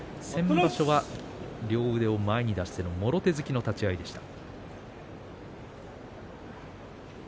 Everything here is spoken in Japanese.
先場所は両手を前に出してのもろ手突きでした。